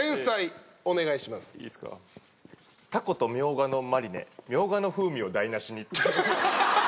タコとみょうがのマリネみょうがの風味を台無しに。